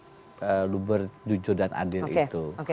prinsip lubar judil dan adil itu